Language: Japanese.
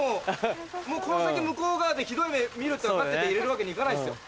もうこの先向こう側でひどい目見るって分かってて入れるわけにいかないっすよ。